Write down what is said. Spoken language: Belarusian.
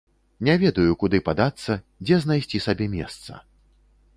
Не ведаю, куды падацца, дзе знайсці сабе месца.